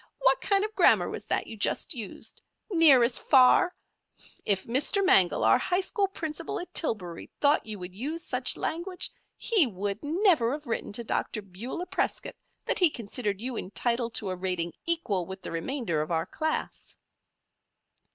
"What kind of grammar was that you just used 'near as far'? If Mr. Mangel, our high school principal at Tillbury, thought you would use such language he would never have written to Dr. Beulah Prescott that he considered you entitled to a rating equal with the remainder of our class."